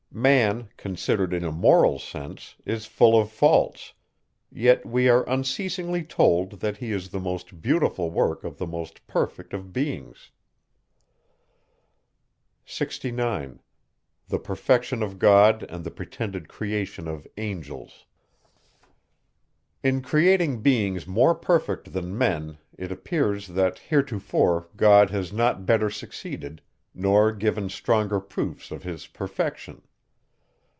Man, considered in a moral sense, is full of faults; yet we are unceasingly told, that he is the most beautiful work of the most perfect of beings. 69. In creating beings more perfect than men, it appears, that heretofore God has not better succeeded, nor given stronger proofs of his perfection.